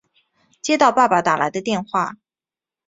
接到爸爸打来的电话